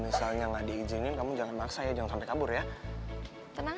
misalnya nggak diizinin kamu jangan maksa ya jangan sampai kabur ya tenang